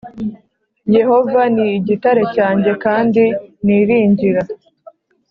Yehova ni igitare cyanjye kandi niringira